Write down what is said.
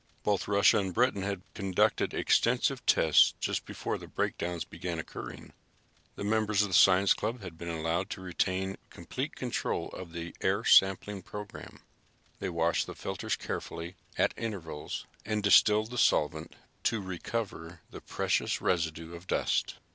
Both Russia and Britain had conducted extensive tests just before the breakdowns began occurring. The members of the science club had been allowed to retain complete control of the air sampling program. They washed the filters carefully at intervals and distilled the solvent to recover the precious residue of dust.